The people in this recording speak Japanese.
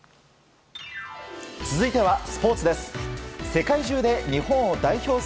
続いてはスポーツです。